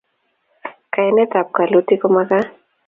Kayanet ab kalalutik komakat